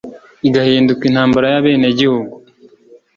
igahinduka intambara y'abenegihugu